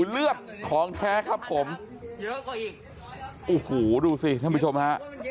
เลือดของแท้ครับผมโอ้โหดูสิท่านผู้ชมฮะ